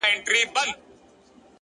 هره هڅه د راتلونکي تخم دی,